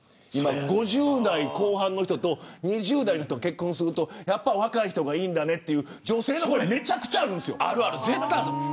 ５０代後半の人と２０代の人が結婚するとやっぱり若い人がいいんだねという女性の声があるある、絶対ある。